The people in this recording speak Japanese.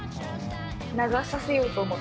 流させようと思って。